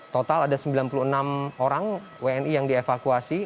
total ada sembilan puluh enam orang wni yang dievakuasi